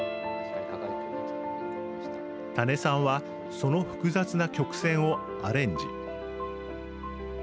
田根さんはその複雑な曲線をアレンジ。